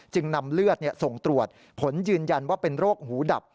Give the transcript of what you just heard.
จึงนำเลือดส่งตรวจผลยืนยันว่าเป็นโรคหูดับ